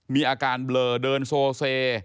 มีอาการเบลอเดินโซเซ